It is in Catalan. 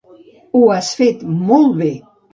Ho has fet molt bé.